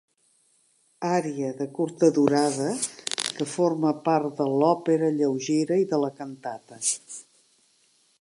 Ària de curta durada que forma part de l'òpera lleugera i de la cantata.